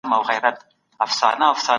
د دندې ترلاسه کولو لپاره باید څېړنه ونه سی.